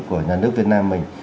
của nhà nước việt nam mình